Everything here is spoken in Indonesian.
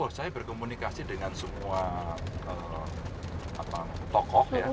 oh saya berkomunikasi dengan semua tokoh ya